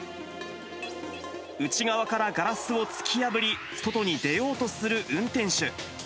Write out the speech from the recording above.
内側からガラスを突き破り、外に出ようとする運転手。